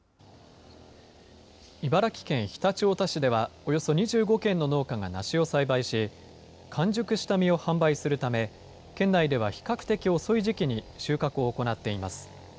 茨城県常陸太田市では、およそ２５軒の農家が梨を栽培し、完熟した実を販売するため、県内では比較的遅い時期に収穫を行っています。